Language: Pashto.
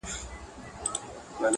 زه منکر نه یمه احسان یې د راتللو منم؛